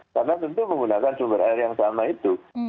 karena tentu menggunakan sumber air yang sama itu